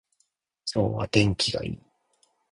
今日は天気がいい